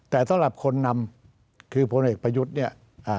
แต่ต่อหลับคนนำคือผู้นำเอกประยุทธ์เนี่ย